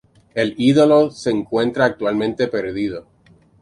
El ídolo se encuentra actualmente perdido.